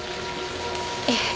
ええ。